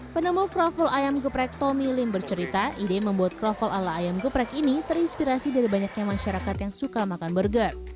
penemu kroffel ayam geprek tommy lim bercerita ide membuat kroffel ala ayam geprek ini terinspirasi dari banyaknya masyarakat yang suka makan burger